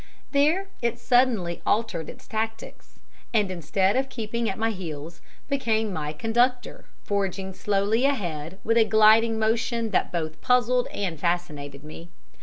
There it suddenly altered its tactics, and instead of keeping at my heels, became my conductor, forging slowly ahead with a gliding motion that both puzzled and fascinated me.